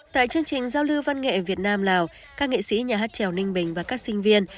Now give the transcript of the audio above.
tại chương trình giao lưu văn nghệ việt nam lào các nghệ sĩ nhà hát trèo ninh bình và các sinh viên